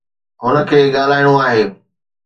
هن کي ڳالهائڻو آهي.